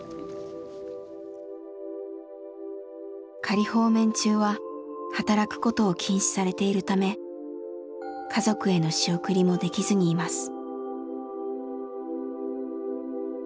仮放免中は働くことを禁止されているため家族への仕送りもできずにいます。